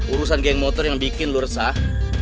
urusan geng motor yang bikin lo resah